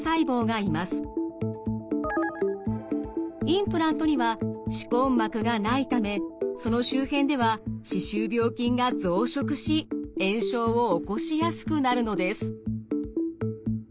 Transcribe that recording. インプラントには歯根膜がないためその周辺では歯周病菌が増殖し炎症を起こしやすくなるのです。